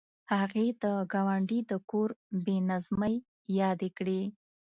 هغې د ګاونډي د کور بې نظمۍ یادې کړې